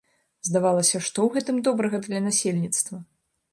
Здавалася, што ў гэтым добрага для насельніцтва?